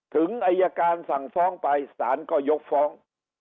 อายการสั่งฟ้องไปสารก็ยกฟ้อง